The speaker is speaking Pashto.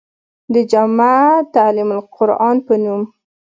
د جامعه تعليم القرآن پۀ نوم